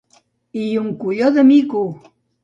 I un colló de mico!